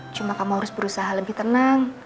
cuma kamu harus berusaha lebih tenang